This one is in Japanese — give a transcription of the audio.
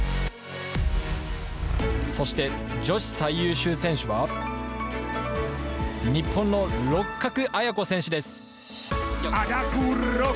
そして、女子最優秀選手は？日本の六角彩子選手です。